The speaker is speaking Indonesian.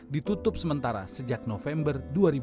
ditutup sementara sejak november dua ribu dua puluh